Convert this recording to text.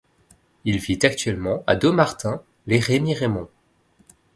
Il vit actuellement à Dommartin-lès-Remiremont.